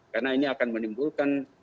karena ini akan menimbulkan